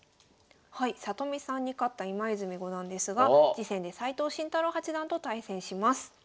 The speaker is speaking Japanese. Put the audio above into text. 里見さんに勝った今泉五段ですが次戦で斎藤慎太郎八段と対戦します。